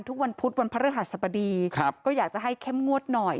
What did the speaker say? ทุกวันพุธวันพระฤหัสบดีก็อยากจะให้เข้มงวดหน่อย